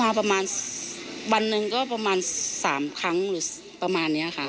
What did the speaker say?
ประมาณวันหนึ่งก็ประมาณ๓ครั้งหรือประมาณนี้ค่ะ